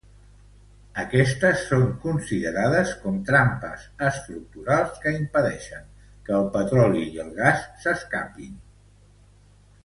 Aquestes són considerades com trampes estructurals que impedeixen el petroli i el gas s'escapi.